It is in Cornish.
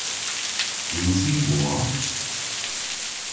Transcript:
Yns i war?